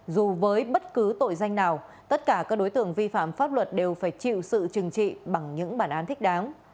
dù với bất cứ tội danh nào tất cả các đối tượng vi phạm pháp luật đều phải chịu sự trừng trị bằng những bản án thích đáng